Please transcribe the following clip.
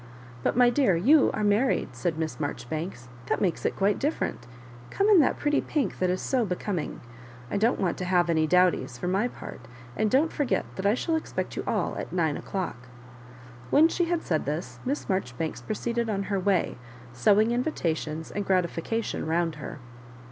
"But, my dear, you are married," said Miss Marjoribanks ;" that makes it quite different ; come' in that pretty pink that is so becoming. I don't want to have any dowdies, for my part ; and don't forget that I shall expect you all at nine o'clock." When she had said this. Miss Marjoribanks proceeded on her way, sowing invitations and gratification round her.